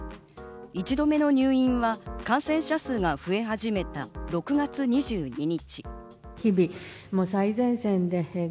１度目の入院は感染者数が増え始めた６月２２日。